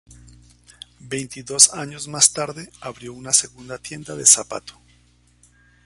Veintidós años más tarde, abrió una segunda tienda de zapato.